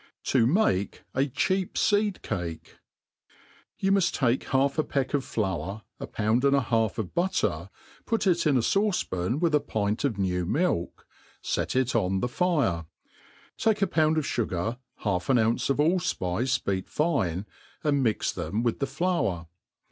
To make a Cheap Seed^Cake, YOU muft take half a peck of flour, a pound and a half of butter, put it in a fauce pan with a pint of new milk, fet it on the fire ; take a pound of fugar, half an ounce of all fpice beat fine, and mix them with the flour.